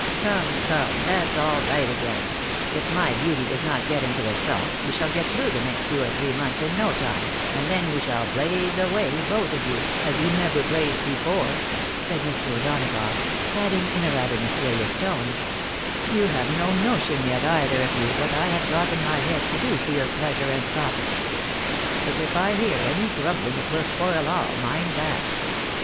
" Come, come, that's all right again ; if my beauty does not get into the sulks, we shall get through the next two or three months in no time, and then you shall blaze away, both of you, as you never blazed before," said Mr. O'Donagough ; adding in a rather mysterious tone, " You have no notion yet, either of you, what I have got in my head to do for your pleasure and profit. But if I hear any grumbling it will spoil all, mind RESIGNATION. 207 that.